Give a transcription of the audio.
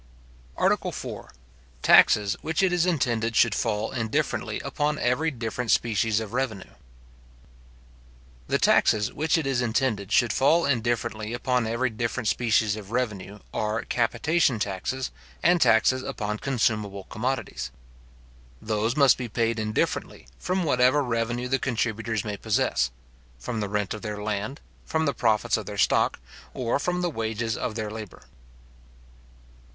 ARTICLE IV.—Taxes which it is intended should fall indifferently upon every different Species of Revenue. The taxes which it is intended should fall indifferently upon every different species of revenue, are capitation taxes, and taxes upon consumable commodities. Those must be paid indifferently, from whatever revenue the contributors may possess; from the rent of their land, from the profits of their stock, or from the wages of their labour.